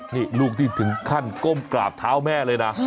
นี่ลูกที่ถึงขั้นก้มกราบเท้าแม่เลยนะ